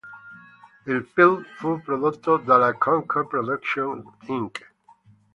Il film fu prodotto dalla Concord Production Inc.